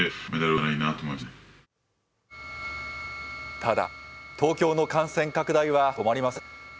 ただ、東京の感染拡大は止まりません。